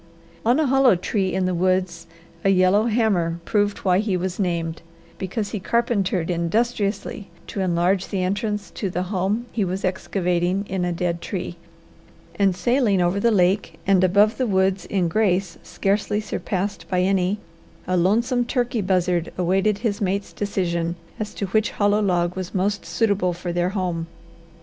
On a hollow tree in the woods a yellow hammer proved why he was named, because he carpentered industriously to enlarge the entrance to the home he was excavating in a dead tree; and sailing over the lake and above the woods in grace scarcely surpassed by any, a lonesome turkey buzzard awaited his mate's decision as to which hollow log was most suitable for their home.